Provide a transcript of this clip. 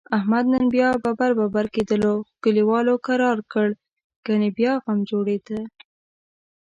احمد نن بیا ببر ببر کېدلو، خو کلیوالو کرارکړ؛ گني بیا غم جوړیدا.